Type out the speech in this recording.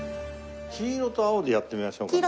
黄色と青でやってみましょうかね。